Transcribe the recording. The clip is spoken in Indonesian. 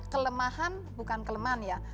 kelemahan bukan kelemahan ya